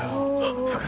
そうか。